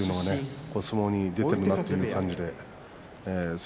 相撲に出ているなという感じです。